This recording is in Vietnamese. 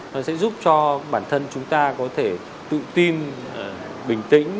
nó sẽ giúp cho bản thân chúng ta có thể tự tin bình tĩnh